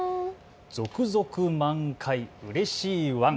続々満開、うれしいワン。